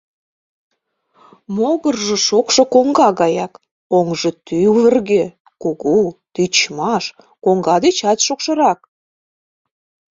Могыржо шокшо коҥга гаяк, оҥжо тӱвыргӧ, кугу, тичмаш — коҥга дечат шокшырак.